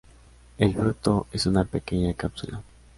El fruto es una pequeña cápsula.